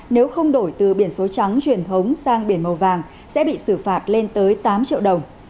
nếu không đổi từ biển số trắng truyền thống sang biển màu vàng sẽ bị xử phạt lên tới tám triệu đồng